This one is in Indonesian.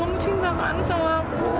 kamu cintakan sama aku